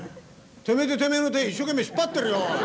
てめえでてめえの手一生懸命引っ張ってるよ。